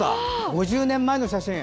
５０年前の写真。